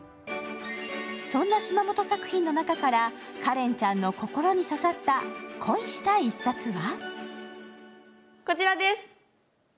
そんな島本作品の中から、花恋ちゃんの心に刺さった恋した一冊は？